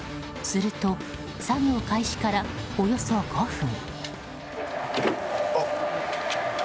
すると、作業開始からおよそ５分。